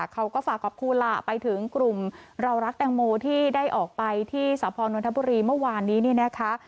เขาก็ฝากขอบคุณล่ะไปถึงกลุ่มเรารักแตงโมที่ได้ออกไปที่สพนนทบุรีเมื่อวานนี้เนี่ยนะคะ